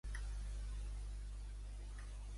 Sabries trobar els autobusos que van cap a Jerez?